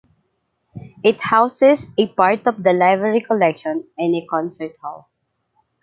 It houses a part of the library collection and a concert hall.